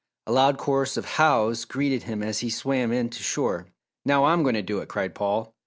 A loud chorus of "Hows" greeted him as he swam in to shore. "Now I'm going to do it!" cried Paul.